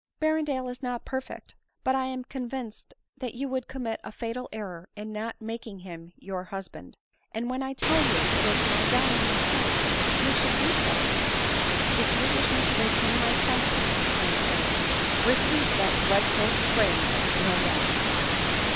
Berrendale is not perfect ; but I am convinced that you would commit a fatal error in not making him your husband ; and when I tell you it is my dying request that you should do so— mm ADELINE MOWBRAY. 183 " If you wish me to retain my senses," exclaimed Adeline, " repeat that dreadful phrase no more."